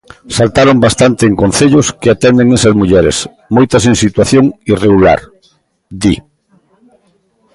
"Saltaron bastante en Concellos que atenden esas mulleres, moitas en situación irregular", di.